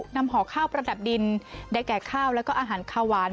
ห่อข้าวประดับดินได้แก่ข้าวแล้วก็อาหารข้าวหวาน